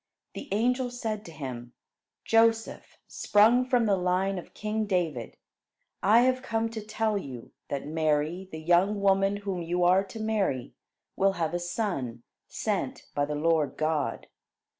The angel said to him: "Joseph, sprung from the line of king David, I have come to tell you, that Mary, the young woman whom you are to marry, will have a son, sent by the Lord God.